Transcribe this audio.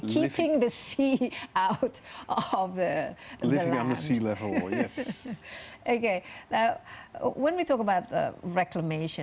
oke sekarang ketika kita bicara tentang reklamasi